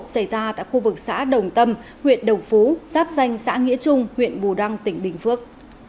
xảy ra tại khu vực xã đồng tâm huyện đồng phú giáp danh xã nghĩa trung huyện bù đăng tỉnh bình phước